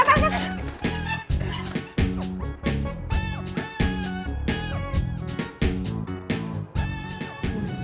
aduh abang hati hati